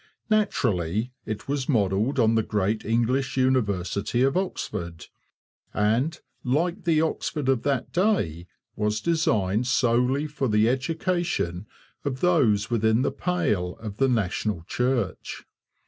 Naturally, it was modelled on the great English university of Oxford, and, like the Oxford of that day, was designed solely for the education of those within the pale of the national church.